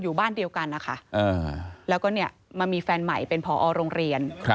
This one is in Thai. อยู่บ้านเดียวกันนะคะแล้วก็เนี่ยมามีแฟนใหม่เป็นผอโรงเรียน